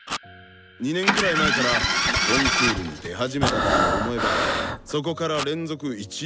２年くらい前からコンクールに出始めたかと思えばそこから連続１位入賞。